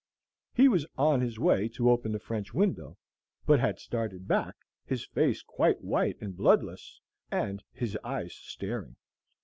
He was on his way to the open French window, but had started back, his face quite white and bloodless, and his eyes staring.